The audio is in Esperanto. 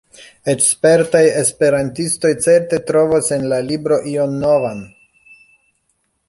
Eĉ spertaj esperantistoj certe trovos en la libro ion novan.